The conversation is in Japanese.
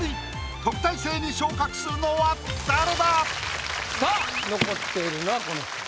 特待生に昇格するのは誰だ⁉さあ残っているのはこの二人。